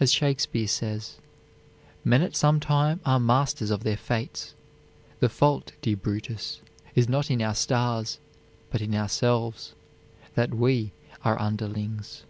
As Shakespeare says: Men at some time are masters of their fates; The fault, dear Brutus, is not in our stars, But in ourselves, that we are underlings.